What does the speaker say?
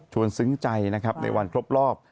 ซึ้งใจนะครับในวันครบรอบ